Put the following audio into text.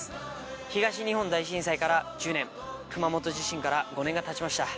東日本大震災から１０年熊本地震から５年がたちました。